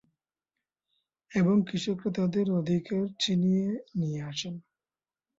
এবং কৃষকেরা তাদের অধিকার ছিনিয়ে নিয়ে আসেন।